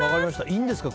いいんですか？